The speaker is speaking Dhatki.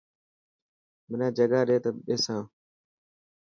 منا جگا ڏي ته ٻيسان.